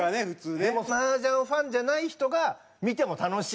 でも麻雀ファンじゃない人が見ても楽しい。